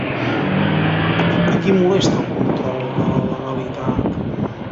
A qui molesta el control de la legalitat?